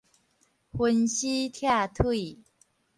分屍拆腿